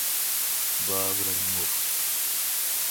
باگ رل مُر۔